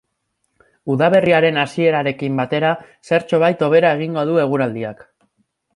Udaberriaren hasierarekin batera, zertxobait hobera egingo du eguraldiak.